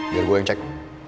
biar gue yang cek